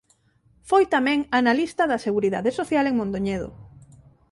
Foi tamén analista da Seguridade Social en Mondoñedo.